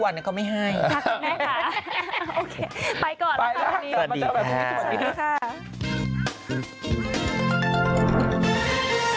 ไปก่อนแล้วค่ะ